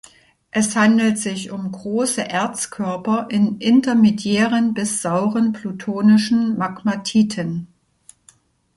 Es handelt sich um große Erzkörper in intermediären bis sauren plutonischen Magmatiten.